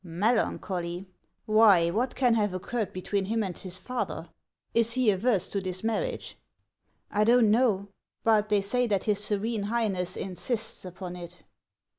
" Melancholy ! Why, what can have occurred between him and his father ? Is he averse to this marriage ?"" I do not know. But they say that his Serene High ness insists upon it."